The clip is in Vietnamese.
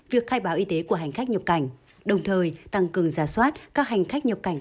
việc khai báo y tế của hành khách nhập cảnh đồng thời tăng cường giả soát các hành khách nhập cảnh